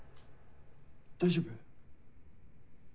大丈夫？